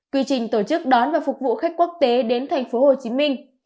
quy trình tổ chức đón và phục vụ khách quốc tế đến thành phố hồ chí minh